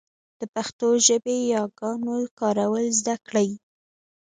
د پښتو ژبې ياګانو کارول زده کړئ.